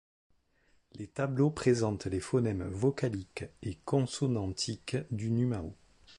Les tableaux présentent les phonèmes vocaliques et consonantiques du numao.